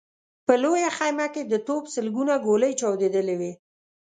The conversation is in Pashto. په لويه خيمه کې د توپ سلګونه ګولۍ چاودلې وې.